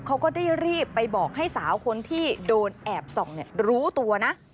เขาก็ได้รีบไปบอกให้สาวคนที่โดนแอบส่องรู้ตัวนะ